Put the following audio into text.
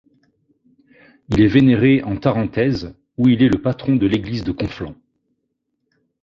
Il est vénéré en Tarentaise où il est le patron de l'église de Conflans.